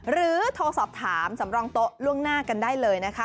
หรือโทรถามร้านนี้ล่วงหน้ากันได้เลย